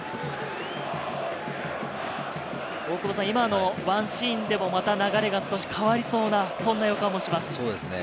今のワンシーンでもまた流れが少し変わりそうな予感もします。